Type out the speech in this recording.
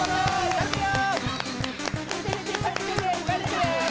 頼むよ。